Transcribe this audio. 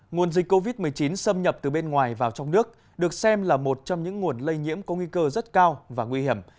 nguồn dịch covid một mươi chín xâm nhập từ bên ngoài vào trong nước được xem là một trong những nguồn lây nhiễm có nguy cơ rất cao và nguy hiểm